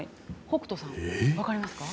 北斗さん、分かりますか？